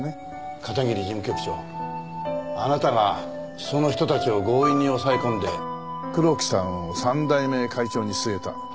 片桐事務局長あなたがその人たちを強引に抑え込んで黒木さんを３代目会長に据えた。